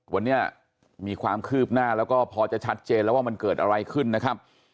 วันนี้มีความคืบหน้าแล้วก็พอจะชัดเจนแล้วว่ามันเกิดอะไรขึ้นนะครับ